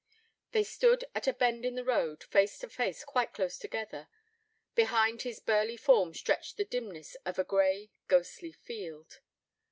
They stood at a bend in the road, face to face quite close together. Behind his burly form stretched the dimness of a grey, ghostly field.